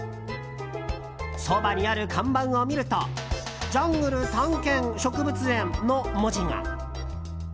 そばにある看板を見るとジャングル探検植物園の文字が。